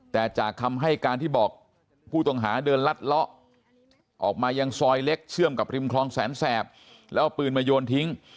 แต่จากคำให้การที่บอกผู้ต้องหาเดินลัดเลาะออกมายังซอยเล็กเชื่อมกับริมคลองแสนแสบแล้วเอาปืนมาโยนทิ้ง